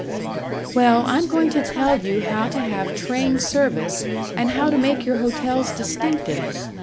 "Well, I'm going to tell you how to have trained service and how to make your hotels distinctive.